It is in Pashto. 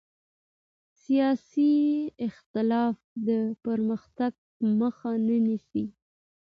سیاسي اختلاف د پرمختګ مخه نه نیسي